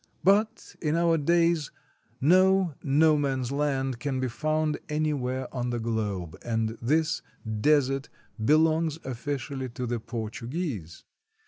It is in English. But in our days no "no man's land" can be found anywhere on the globe, and this desert belongs ofBcially to the Portuguese.